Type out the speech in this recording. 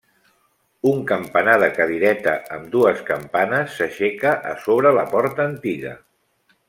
Un campanar de cadireta amb dues campanes s'aixeca a sobre la porta antiga.